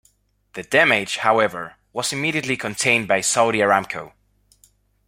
The damage, however, was immediately contained by Saudi Aramco.